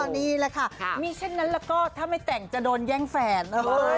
นี่แหละค่ะมีเช่นนั้นแล้วก็ถ้าไม่แต่งจะโดนแย่งแฟน